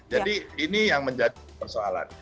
jadi ini yang menjadi persoalan